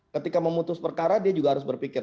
ketika memutus perkara dia juga harus berpikir